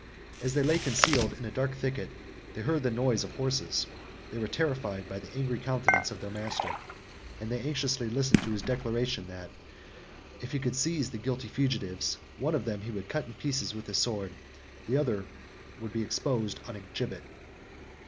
As they lay concealed in a dark thicket, they heard the noise of horses; they were terrified by the angry countenance of their master, and they anxiously listened to his declaration, that, if he could seize the guilty fugitives, one of them he would cut in pieces with his sword, and would expose the other on a gibbet.